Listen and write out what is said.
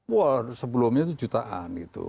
wah sebelumnya itu jutaan gitu